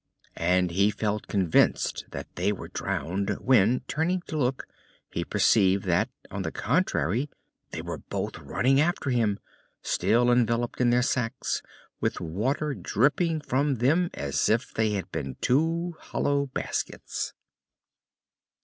And he felt convinced that they were drowned, when, turning to look, he perceived that, on the contrary, they were both running after him, still enveloped in their sacks, with the water dripping from them as if they had been two hollow baskets.